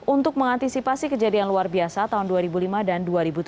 untuk mengantisipasi kejadian luar biasa tahun dua ribu lima dan dua ribu tujuh belas